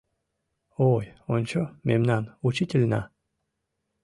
Ой, ончо, мемнан учительна!